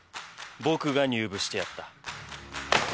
僕が入部してやった。